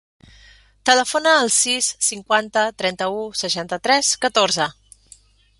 Telefona al sis, cinquanta, trenta-u, seixanta-tres, catorze.